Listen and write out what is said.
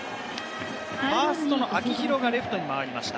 ファーストの秋広がレフトに回りました。